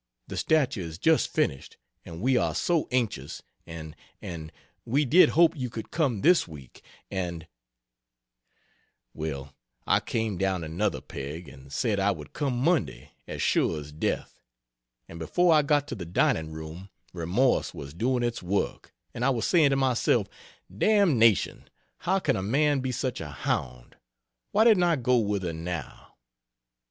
the statue is just finished and we are so anxious and and we did hope you could come this week and" well, I came down another peg, and said I would come Monday, as sure as death; and before I got to the dining room remorse was doing its work and I was saying to myself, "Damnation, how can a man be such a hound? why didn't I go with her now?"